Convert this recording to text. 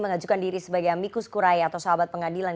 mengajukan diri sebagai amicus curae atau sahabat pengadilan